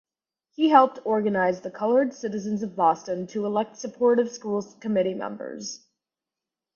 He helped organize the colored citizens of Boston to elect supportive School Committee members.